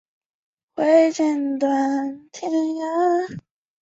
但有推测认为以色列仍然维持着制造和散布生物武器的有效能力。